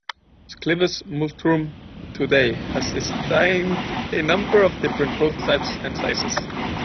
Clivus Multrum today has designed a number of different prototypes and sizes.